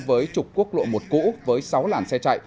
với chục quốc lộ một cũ với sáu làn xe chạy